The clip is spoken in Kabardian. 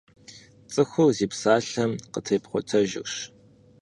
ЦӀыхур зи псалъэм къытебгъуэтэжырщ.